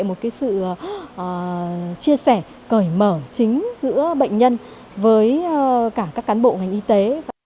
một cái sự chia sẻ cởi mở chính giữa bệnh nhân với cả các cán bộ ngành y tế